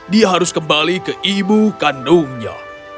dia harus kembali ke ibu kandungnya